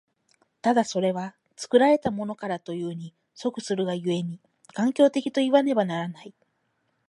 ただそれは作られたものからというに即するが故に、環境的といわねばならない。